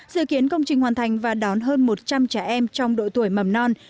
dự kiến công trình hoàn thành và đón hơn một trăm linh trẻ em trong độ tuổi mầm non